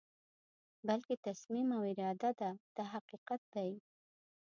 بلکې تصمیم او اراده ده دا حقیقت دی.